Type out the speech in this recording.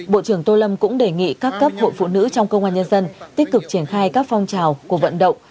bộ trưởng tô lâm cũng đề nghị các cấp hội phụ nữ trong công an nhân dân tích cực triển khai các phong trào cuộc vận động